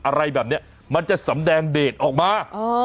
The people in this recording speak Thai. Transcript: อะไรแบบนี้มันจะสำแดงเดทออกมา